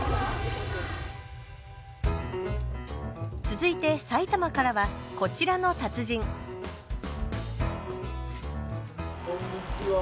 続いて埼玉からはこちらの達人こんにちは。